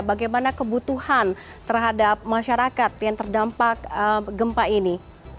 bagaimana kebutuhan terhadap masyarakat yang terdampak gempa ini